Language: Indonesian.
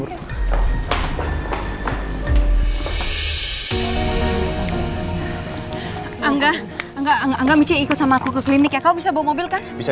enggak enggak enggak ikut sama aku ke klinik ya kau bisa bawa mobil kan bisa